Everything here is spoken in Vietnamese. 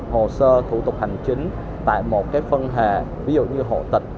hồ sơ thủ tục hành chính tại một phân hệ ví dụ như hộ tịch